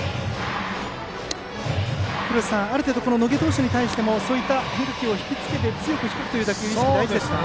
廣瀬さん、ある程度野下投手に対してもそういった変化球を引きつけて強く引くというのが大事ですか。